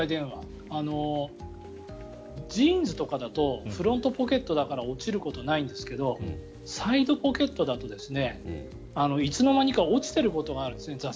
ジーンズとかだとフロントポケットだから落ちることないんだけどサイドポケットだといつの間にか落ちてることがあるんですね。